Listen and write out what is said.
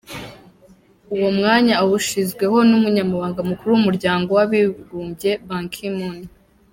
Uwo mwanya awushyizweho n’Umunyamabanga mukuru w’Umuryango w’Abigumbye Ban Ki-moon.